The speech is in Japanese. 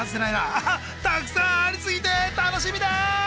アハたくさんありすぎて楽しみだ！